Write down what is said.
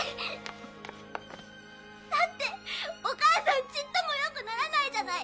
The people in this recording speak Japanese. だって、お母さんちっともよくならないじゃない。